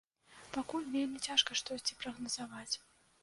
Пакуль вельмі цяжка штосьці прагназаваць.